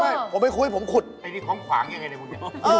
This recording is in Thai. ผมไม่ขุดผมขุดไอ้นี่ของขวางยังไงด้วย